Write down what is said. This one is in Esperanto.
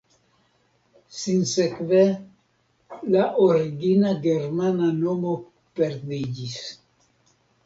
Sinsekve la origina germana nomo perdiĝis.